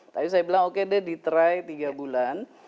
tapi saya bilang oke deh diterai tiga bulan